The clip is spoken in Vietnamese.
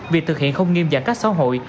việc thực hiện không nghiêm giảm các xã hội